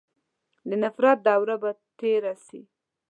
د نفرت دوره به تېره سي.